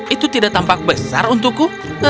itu tidak tampak besar untukku